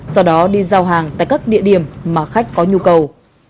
sau đó đi giao hàng tại các địa điểm mà khách có nhu cầu